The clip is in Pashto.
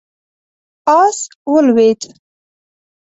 آس ولوېد.